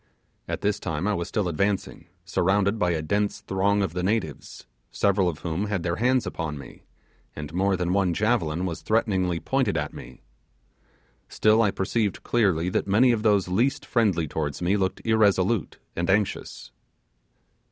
At this time I was still advancing, surrounded by a dense throng of the natives, several of whom had their hands upon me, and more than one javelin was threateningly pointed at me. Still I perceived clearly that many of those least friendly towards me looked irresolute and anxious.